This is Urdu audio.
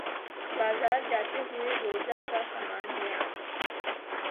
بازار جاتے ہوئے روزہ کا سامان لے آنا